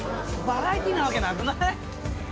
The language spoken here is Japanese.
バラエティーなわけなくない！？